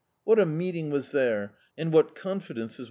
What a meeting was there, and what confidences D,i.